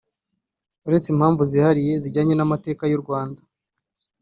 uretse impamvu zihariye zijyanye n’amateka y’u Rwanda